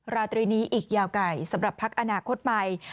ราตรีนี้อีกยาวไกลสำหรับพักอนาคตใหม่